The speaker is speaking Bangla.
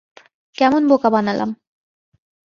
কেমন বোকা বানালাম!